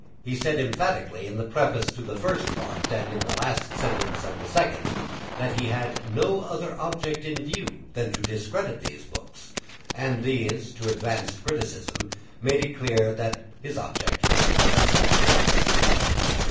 He said emphatically in the preface to the First Part and in the last sentence of the Second, that he had no other object in view than to discredit these books, and this, to advanced criticism, made it clear that his object must have been something else.